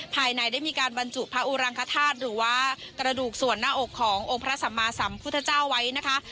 ภายในได้มีการบรรจุพระอุรังคธาตุหรือว่ากระดูกส่วนหน้าอกขององค์พระสัมมาสัมพุทธเจ้าไว้นะคะ